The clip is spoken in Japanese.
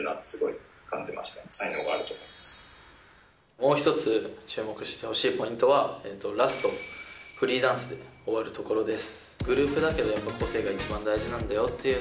もう一つ注目してほしいポイントはラスト、フリーダンスで終わるところです。